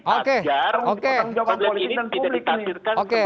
tanggung jawab politik dan publik ini